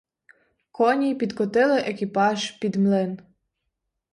Коні підкотили екіпаж під млин.